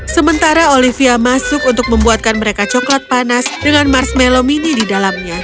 sementara olivia masuk untuk membuatkan mereka coklat panas dengan marshmallow mini di dalamnya